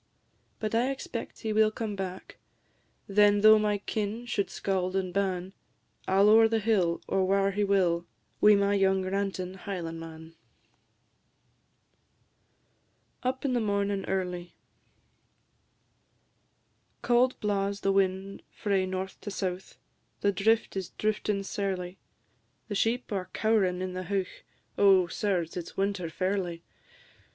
But I expect he will come back; Then, though my kin should scauld and ban, I 'll ower the hill, or whare he will, Wi' my young rantin' Highlandman. UP IN THE MORNIN' EARLY. Cauld blaws the wind frae north to south; The drift is drifting sairly; The sheep are cow'rin' in the heuch; Oh, sirs, it 's winter fairly!